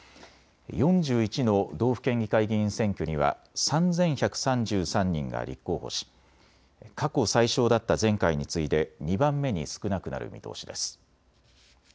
４１の道府県議会議員選挙には３１３３人が立候補し、過去最少だった前回に次いで２番目に少なくなる見通しです。